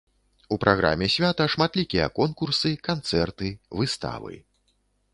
У праграме свята шматлікія конкурсы, канцэрты, выставы.